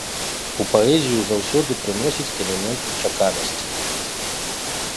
У паэзію заўсёды прыносіць элемент нечаканасці.